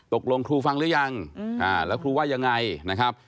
ครูฟังหรือยังแล้วครูว่ายังไงนะครับ